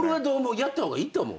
やった方がいいと思う？